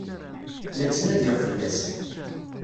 La ttnadiɣ fell-as.